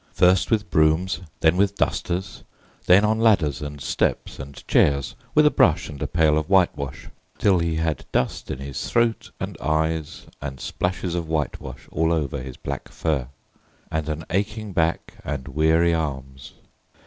First with brooms, then with dusters; then on ladders and steps and chairs, with a brush and a pail of whitewash; till he had dust in his throat and eyes, and splashes of whitewash all over his black fur, and an aching back and weary arms.